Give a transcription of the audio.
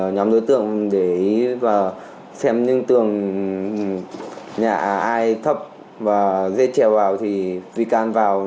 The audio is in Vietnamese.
nhóm đối tượng để ý và xem những tường nhà ai thấp và dê trèo vào thì tùy can vào